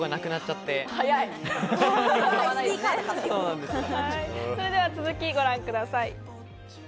でも容それでは続きをご覧ください。